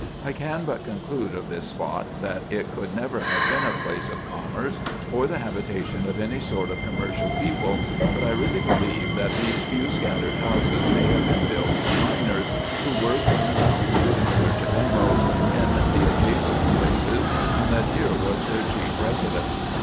I can but conclude of this spot, that it could never have been a place of commerce, or the habitation of any sort of commercial people ; but I really believe that these few scattered houses may have been built for miners, who worked in the mountains in search of emeralds in the adjacent places, and that here was their chief residence.